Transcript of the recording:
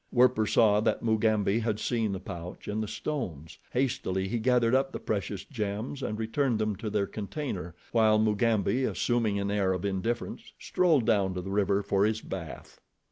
Werper saw that Mugambi had seen the pouch and the stones. Hastily he gathered up the precious gems and returned them to their container, while Mugambi, assuming an air of indifference, strolled down to the river for his bath.